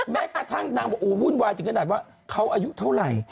แม้กระทั่งนางบอกโอ้วุ่นวายถึงขนาดว่าเขาอายุเท่าไหร่